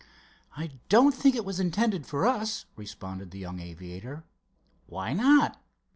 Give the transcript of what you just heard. "I don't think it was intended for us," responded the young aviator. "Why not?"